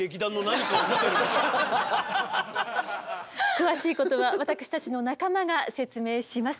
詳しいことは私たちの仲間が説明します。